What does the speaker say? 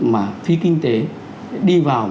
mà phi kinh tế đi vào